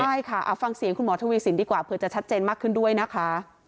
ใช่ค่ะฟังเสียงคุณหมอทวีสินดีกว่าเผื่อจะชัดเจนมากขึ้นด้วยนะคะ